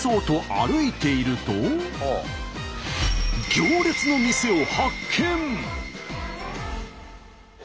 行列の店を発見！